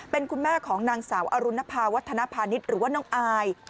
เป็นคุณแม่ของนางสาวอรุณภาวัฒนภาณิชย์หรือว่าน้องอาย